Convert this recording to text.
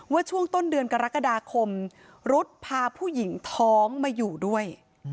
ช่วงต้นเดือนกรกฎาคมรุ๊ดพาผู้หญิงท้องมาอยู่ด้วย